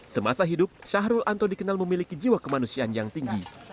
semasa hidup syahrul anto dikenal memiliki jiwa kemanusiaan yang tinggi